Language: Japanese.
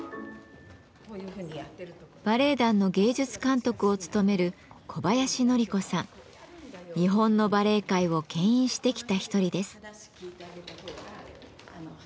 バレエ団の芸術監督を務める日本のバレエ界をけん引してきた一人です。